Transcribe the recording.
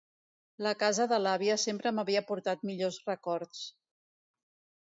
La casa de l'àvia sempre m'havia portat millors records.